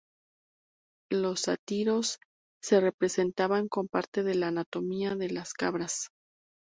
Los sátiros se representaban con parte de la anatomía de las cabras.